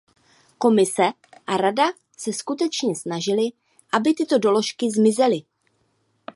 Komise a Rada se skutečně snažily, aby tyto doložky zmizely.